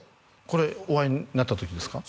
これお会いになった時ですか？